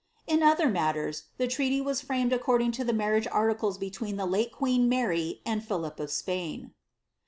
In other mai ters, the treaty was framed according to the marriage articles between the late queen Mary and Philip of Spain.